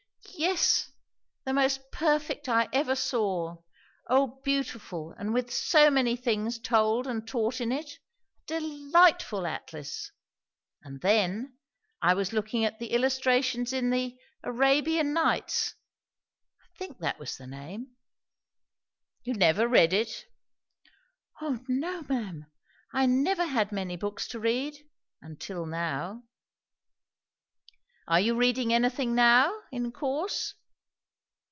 "Yes, the most perfect I ever saw. O beautiful, and with so many things told and taught in it. A delightful atlas! And then, I was looking at the illustrations in the 'Arabian Nights' I think that was the name." "You never read it?" "O no, ma'am. I never had many books to read; until now." "Are you reading anything now, in course?"